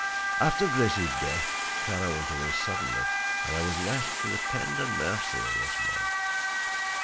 After Grace's death Kara went away suddenly and I was left to the tender mercy of this man.